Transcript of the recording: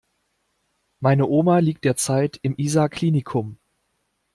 Meine Oma liegt derzeit im Isar Klinikum.